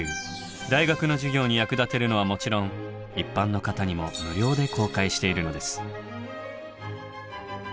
大学の授業に役立てるのはもちろん一般の方にも無料で公開しているのです。